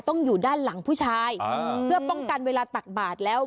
อยู่ด้านหลังผู้ชายเพื่อป้องกันเวลาตักบาทแล้ว